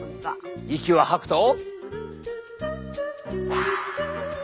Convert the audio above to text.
息を吐くと。